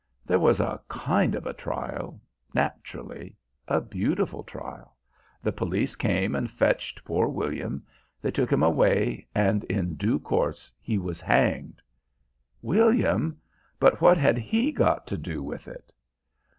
"There was a kind of a trial. Naturally. A beautiful trial. The police came and fetched poor William, they took him away and in due course he was hanged." "William! But what had he got to do with it?"